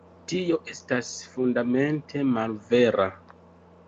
Tio estas fundamente malvera.